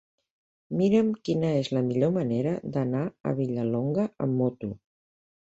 Mira'm quina és la millor manera d'anar a Vilallonga amb moto.